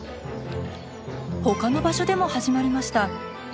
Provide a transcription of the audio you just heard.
ほかの場所でも始まりました。